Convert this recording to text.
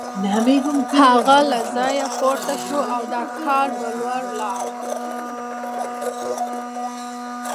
هغه له ځایه پورته شو او د کار په لور لاړ